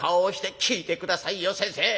「聞いて下さいよ先生。